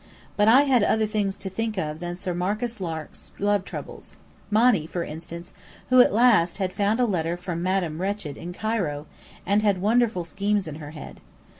But I had other things to think of than Sir Marcus Lark's love troubles: Monny, for instance, who at last had found a letter from "Madame Wretched" in Cairo, and had wonderful schemes in her head.